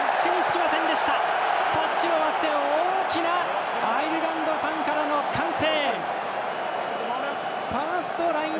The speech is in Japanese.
タッチを割って、大きなアイルランドからの歓声。